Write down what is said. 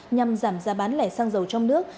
nhằm giảm giá bán lẻ săng dầu trong nước